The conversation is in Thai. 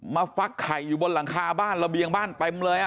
ฟักไข่อยู่บนหลังคาบ้านระเบียงบ้านเต็มเลย